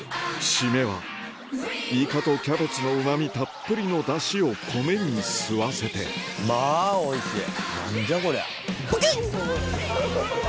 締めはイカとキャベツのうま味たっぷりのダシを米に吸わせて何じゃこりゃ！